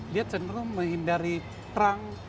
dia cenderung menghindari terang